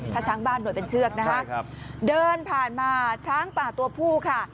ถ้าช้างบ้านหน่วยเป็นเชือกนะคะเดินผ่านมาช้างป่าตัวผู้ค่ะ